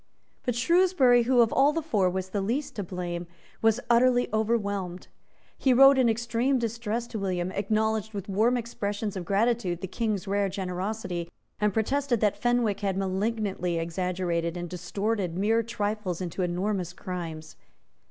But Shrewsbury, who of all the four was the least to blame, was utterly overwhelmed. He wrote in extreme distress to William, acknowledged with warm expressions of gratitude the King's rare generosity, and protested that Fenwick had malignantly exaggerated and distorted mere trifles into enormous crimes.